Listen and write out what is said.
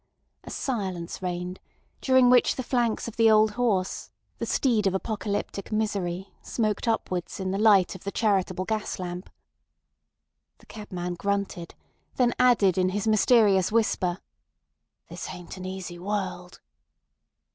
A silence reigned during which the flanks of the old horse, the steed of apocalyptic misery, smoked upwards in the light of the charitable gas lamp. The cabman grunted, then added in his mysterious whisper: "This ain't an easy world."